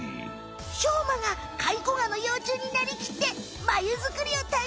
しょうまがカイコガの幼虫になりきってマユ作りをた